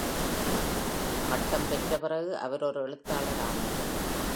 பட்டம் பெற்ற பிறகு, அவர் ஒரு எழுத்தாளரானார்.